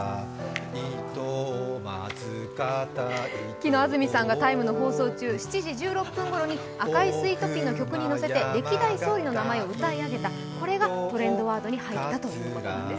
昨日安住さんが放送の中で「赤いスイートピー」の曲に乗せて歴代総理の名前を歌い上げたこれがトレンドワードに入ったということなんです。